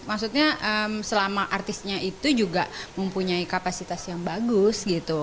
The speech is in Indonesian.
maksudnya selama artisnya itu juga mempunyai kapasitas yang bagus gitu